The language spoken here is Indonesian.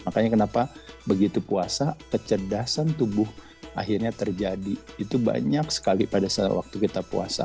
makanya kenapa begitu puasa kecerdasan tubuh akhirnya terjadi itu banyak sekali pada saat waktu kita puasa